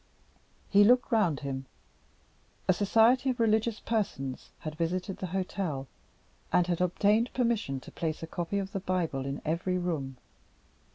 He looked round him. A society of religious persons had visited the hotel, and had obtained permission to place a copy of the Bible in every room.